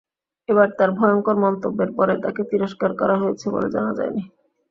এবার তাঁর ভয়ংকর মন্তব্যের পরে তাঁকে তিরস্কার করা হয়েছে বলে জানা যায়নি।